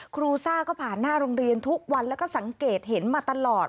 ซ่าก็ผ่านหน้าโรงเรียนทุกวันแล้วก็สังเกตเห็นมาตลอด